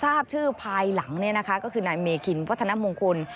ทราบชื่อภายหลังก็คือนายเมคินวัฒนมงคล